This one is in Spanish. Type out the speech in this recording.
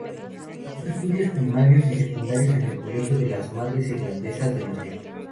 Cursó estudios primarios y secundarios en el colegio de las madres Irlandesas de Madrid.